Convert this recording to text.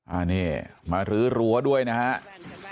อันนี้มารื้อรั้วด้วยนะครับ